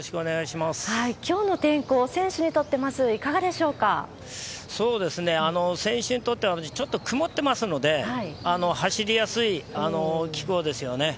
きょうの天候、選手にとって、そうですね、選手にとってはちょっと曇ってますので、走りやすい気候ですよね。